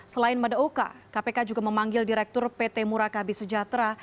selain madaoka kpk juga memanggil direktur pt murakabi sejahtera